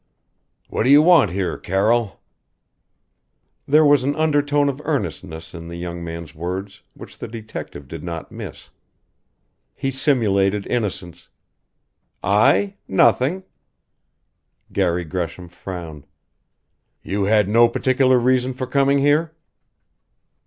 "What do you want here, Carroll?" There was an undertone of earnestness in the young man's words which the detective did not miss. He simulated innocence: "I? Nothing " Garry Gresham frowned. "You had no particular reason for coming here?"